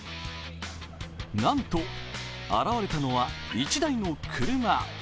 なんと、現れたのは１台の車。